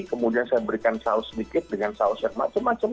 kemudian saya berikan saus sedikit dengan saus yang macam macam